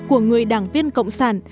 của người đảng viên cộng sản